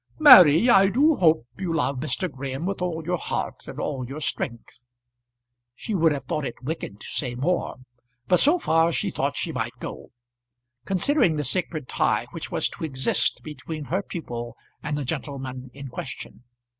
"Mary, I do hope you love Mr. Graham with all your heart and all your strength." She would have thought it wicked to say more; but so far she thought she might go, considering the sacred tie which was to exist between her pupil and the gentleman in question.